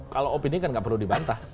kalau opini kan nggak perlu dibantah